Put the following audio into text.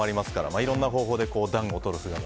いろんな方法で暖をとる姿が。